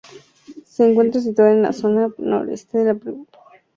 Se encuentra situado en en la zona noroeste de la provincia.